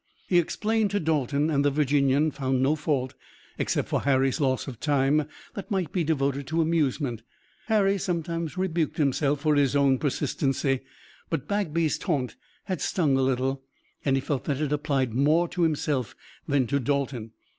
He explained to Dalton and the Virginian found no fault except for Harry's loss of time that might be devoted to amusement. Harry sometimes rebuked himself for his own persistency, but Bagby's taunt had stung a little, and he felt that it applied more to himself than to Dalton.